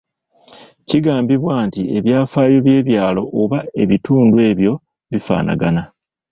Kigambabibwa nti ebyafaayo by’ebyalo oba ebitundu ebyo bifaanagana.